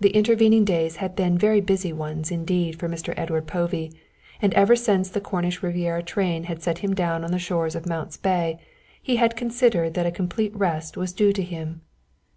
The intervening days had been very busy ones indeed for Mr. Edward Povey, and ever since the Cornish Riviera train had set him down on the shores of Mount's Bay he had considered that a complete rest was due to him.